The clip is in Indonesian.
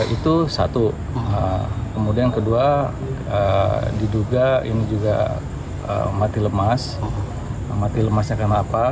itu satu kemudian kedua diduga ini juga mati lemas mati lemasnya karena apa